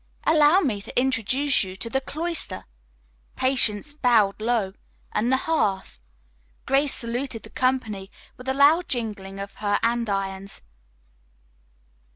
"Allow me to introduce you to the 'Cloister.'" Patience bowed low. "And the 'Hearth.'" Grace saluted the company with a loud jingling of her andirons.